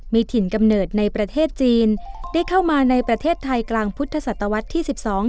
มีถิ่นกำเนิดในประเทศจีนได้เข้ามาในประเทศไทยกลางพุทธศตวรรษที่สิบสอง